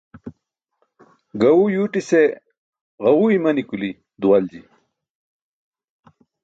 Gaẏu yuuṭise ġaẏu imani kuli duwalji.